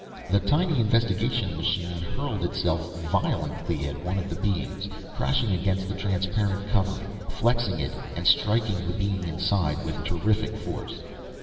The tiny investigation machine hurled itself violently at one of the beings, crashing against the transparent covering, flexing it, and striking the being inside with terrific force.